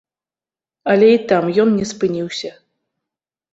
Але і там ён не спыніўся.